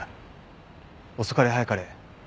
遅かれ早かれ